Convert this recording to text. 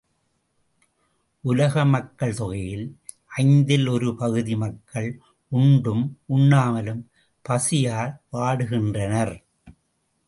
உலக மக்கள் தொகையில் ஐந்தில் ஒரு பகுதி மக்கள் உண்டும் உண்ணாமலும் பசியால் வாடுகின்றனர்.